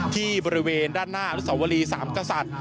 ที่บริเวณด้านหน้าอนุสวรีสามกษัตริย์